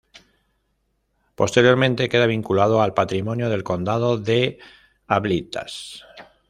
Posteriormente queda vinculado al patrimonio del Condado de Ablitas.